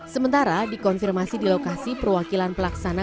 sementara dikonfirmasi di lokasi perwakilan pelaksana